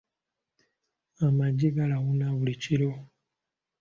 Amagye galawuna buli kiro.